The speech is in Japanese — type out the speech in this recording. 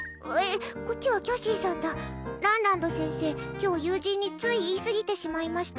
今日、友人につい言いすぎてしまいました。